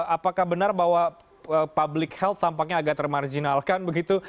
apakah benar bahwa public health tampaknya agak termarjinalkan begitu